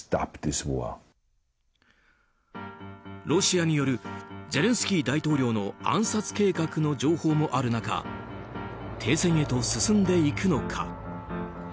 ロシアによるゼレンスキー大統領の暗殺計画の情報もある中停戦へと進んでいくのか。